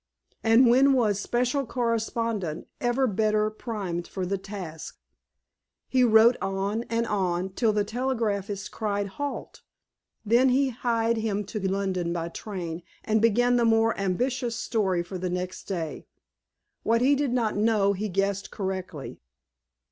And when was "special correspondent" ever better primed for the task? He wrote on, and on, till the telegraphist cried halt. Then he hied him to London by train, and began the more ambitious "story" for next morning. What he did not know he guessed correctly.